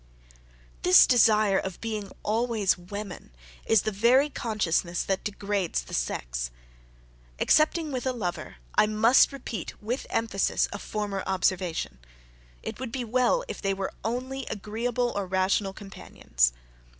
This desire of being always women, is the very consciousness that degrades the sex. Excepting with a lover, I must repeat with emphasis, a former observation it would be well if they were only agreeable or rational companions.